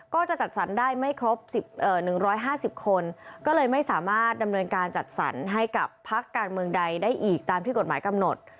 ก็จะจัดสรรได้ไม่ครบ๑๕๐คนก็เลยไม่สามารถดำเนินการจัดสรรให้กับพักการเมืองใดได้อีกตามที่กฎหมายกำหนด